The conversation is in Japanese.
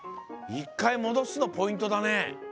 １かいもどすのポイントだね。